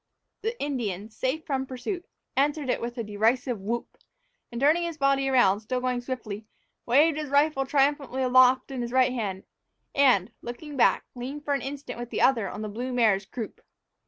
The Indian, safe from pursuit, answered it with a derisive whoop, and, turning his body around, still going swiftly, waved his rifle triumphantly aloft in his right hand and, looking back, leaned for an instant with the other on the blue mare's croup!